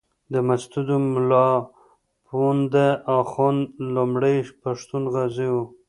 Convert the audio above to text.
د مسودو ملا پوونده اخُند لومړی پښتون غازي وو.